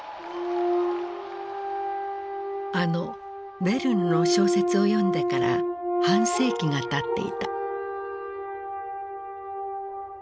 あのヴェルヌの小説を読んでから半世紀がたっていた。